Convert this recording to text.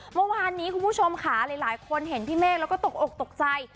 เมื่อวานนี้คุณผู้ชมค่ะหลายคนเห็นพี่เมฆแล้วก็ตกอกตกใจ